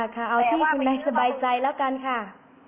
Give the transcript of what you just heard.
คุณนายทำอยู่แล้วเพราะว่าหลักฐานมี